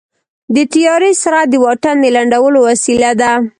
د طیارې سرعت د واټن د لنډولو وسیله ده.